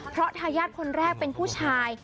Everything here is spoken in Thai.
เพราะทายาทคนแรกเป็นผู้ชาย